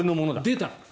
出た。